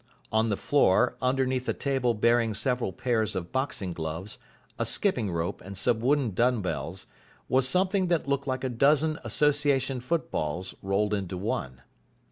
On the floor, underneath a table bearing several pairs of boxing gloves, a skipping rope, and some wooden dumb bells, was something that looked like a dozen Association footballs rolled into one.